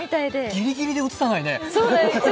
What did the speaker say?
ギリギリで映さないね。